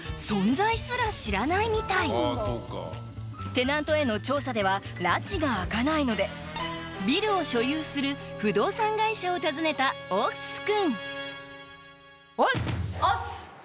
テナントへの調査ではらちが明かないのでビルを所有する不動産会社を訪ねた押っすくん